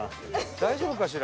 大丈夫かしら？